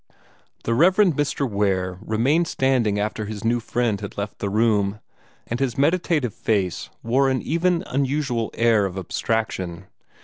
The Reverend Mr. Ware remained standing after his new friend had left the room, and his meditative face wore an even unusual air of abstraction.